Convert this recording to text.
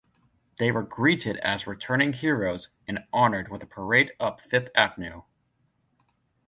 They were greeted as returning heroes and honoured with a parade up Fifth Avenue.